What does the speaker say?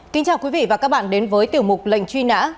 kính chào quý vị và các bạn đến với tiểu mục lệnh truy nã